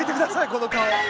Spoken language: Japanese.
この顔。